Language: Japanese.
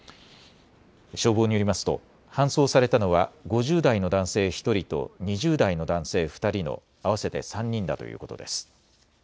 消防によりますと搬送されたのは５０代の男性１人と２０代の男性２人の合わせて３人だということです。